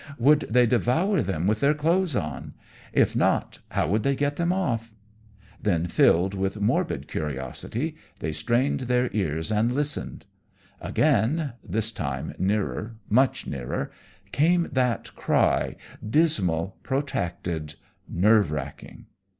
Would they devour them with their clothes on? If not, how would they get them off? Then, filled with morbid curiosity, they strained their ears and listened. Again this time nearer, much nearer came that cry, dismal, protracted, nerve racking.